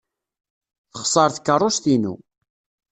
Texṣer tkeṛṛust-inu.